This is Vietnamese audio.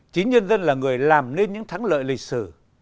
chính nhân dân là người làm nên những thắng lợi lịch sử